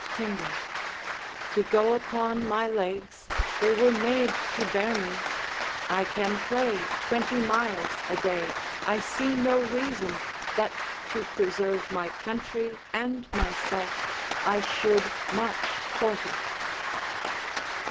Hengo To go upon my legs? they were made to bear me. I can play twenty miles a day; I see no reason But, to preserve my country and myself, I should march forty.